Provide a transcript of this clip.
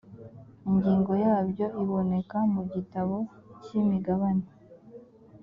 ingingo yabyo iboneka mugitabo cy imigabane